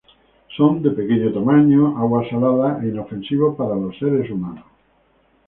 Son de pequeño tamaño, agua salada e inofensivos para los seres humanos.